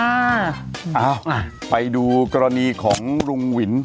เอ้าไปดูกรณีของลุงหวิน